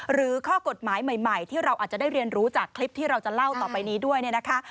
หรือข้อกฎหมายใหม่ที่เราอาจจะได้เรียนรู้จากคลิปที่เราจะเล่าต่อไปนี้ด้วยเนี่ยนะคะ